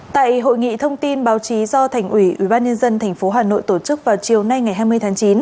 tại hội nghị thông tin báo chí do thành ủy ubnd tp hà nội tổ chức vào chiều nay ngày hai mươi tháng chín